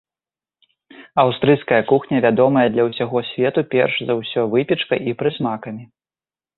Аўстрыйская кухня вядомая для ўсяго свету перш за ўсё выпечкай і прысмакамі.